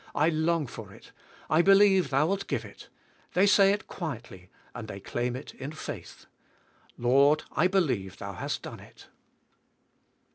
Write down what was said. I long for it. I believe Thou wilt g ive it. They say it quietly and they claim it in faith. Lord, I be lieve Thou hast done it.